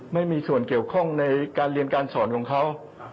ไม่มีส่วนเกี่ยวข้องในการเรียนการสอนของเขา